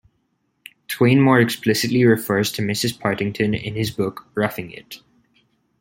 Twain more explicitly refers to Mrs. Partington in his book "Roughing It".